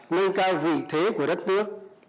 nâng cao vị thế của đất nước